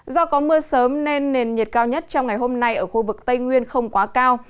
do có mưa sớm nên nền nhiệt cao nhất trong ngày hôm nay ở khu vực tây nguyên không quá cao